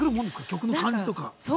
曲の感じとか。